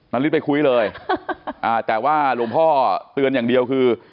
นาริสไปคุยเลยแต่ว่าหลวงพ่อเตือนอย่างเดียวคือ